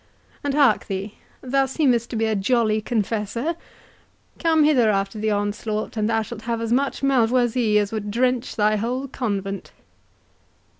And, hark thee, thou seemest to be a jolly confessor—come hither after the onslaught, and thou shalt have as much Malvoisie as would drench thy whole convent."